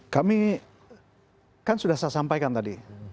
kami kan sudah saya sampaikan tadi